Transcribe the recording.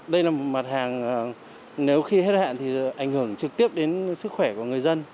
đây là một mặt hàng nếu khi hết hạn thì ảnh hưởng trực tiếp đến sức khỏe của người dân